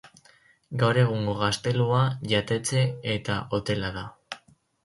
Gaur egungo gaztelua jatetxe eta hotela da.